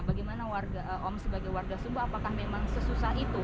bagaimana warga om sebagai warga sumba apakah memang sesusah itu